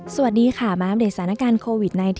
สวัสดีค่ะมาอัปเดตสถานการณ์โควิด๑๙